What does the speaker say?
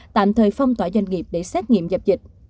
tạm thời phong tỏa doanh nghiệp để xét nghiệm dập dịch